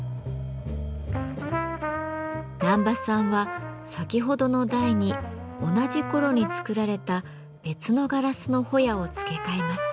難波さんは先ほどの台に同じ頃に作られた別のガラスのほやを付け替えます。